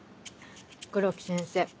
黒木先生